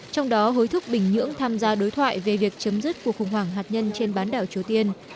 trong đó hối thúc bình nhưỡng tham gia đối thoại về việc chấm dứt cuộc khủng hoảng hạt nhân trên bán đảo triều tiên